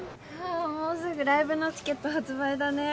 もうすぐライブのチケット発売だね。